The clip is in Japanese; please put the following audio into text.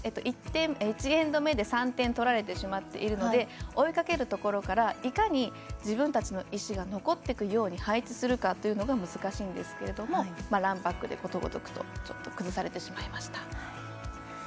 １エンド目で３点取られてしまっているので追いかけるところからいかに自分たちの石が残っていくように配置するかというのが難しいんですけれどもランバックでことごとく崩されてしまいました。